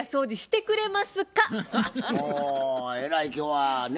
おえらい今日はね